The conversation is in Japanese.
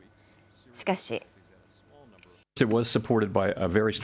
しかし。